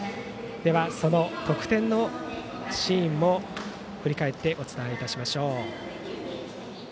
その得点のシーンも振り返ってお伝えいたしましょう。